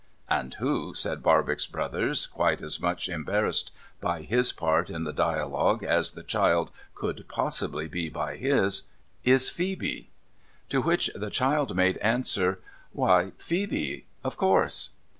'And who,' said Barbox Brothers, quite as much embarrassed by his part in the dialogue as the child could possibly be by his, ' is Phoebe ?' To which the child made answer :' \Miy, Phoebe, of course.'